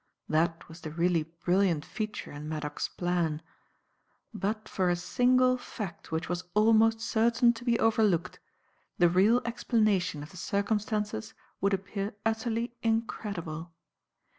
That was the really brilliant feature in Maddock's plan. But for a single fact which was almost certain to be overlooked, the real explanation of the circumstances would appear utterly incredible.